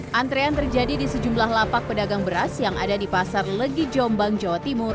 hai antrean terjadi di sejumlah lapak pedagang beras yang ada di pasar legijombang jawa timur